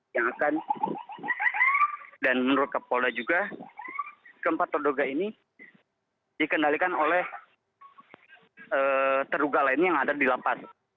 yang akan dan menurut kapolda juga keempat terduga ini dikendalikan oleh terduga lainnya yang ada di lapas